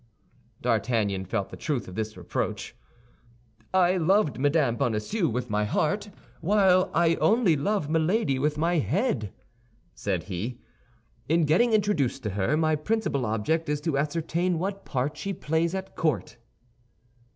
D'Artagnan felt the truth of this reproach. "I loved Madame Bonacieux with my heart, while I only love Milady with my head," said he. "In getting introduced to her, my principal object is to ascertain what part she plays at court."